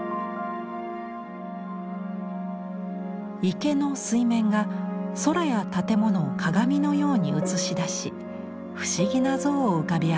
池の水面が空や建物を鏡のように映し出し不思議な像を浮かび上がらせます。